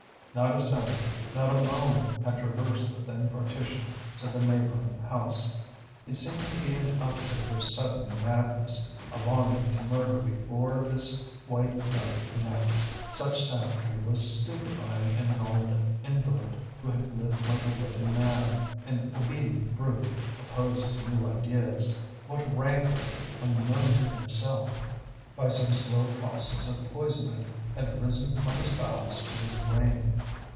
Not a sound, not a moan had traversed the thin partition to the neighbouring house. It seemed to be an outbreak of sudden madness, a longing to murder before this white young neck. Such savagery was stupefying in an old invalid, who had lived like a worthy man, an obedient brute, opposed to new ideas. What rancour, unknown to himself, by some slow process of poisoning, had risen from his bowels to his brain?